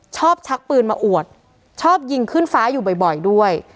ชักปืนมาอวดชอบยิงขึ้นฟ้าอยู่บ่อยด้วย